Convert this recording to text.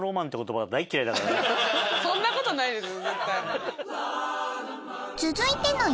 そんなことないですよ。